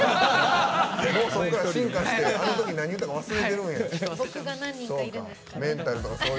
もうそっから進化してあのとき何言うたか忘れてるんや。